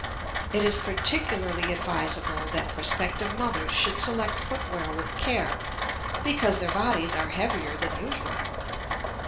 It is particularly advisable that prospective mothers should select foot wear with care, because their bodies are heavier than usual.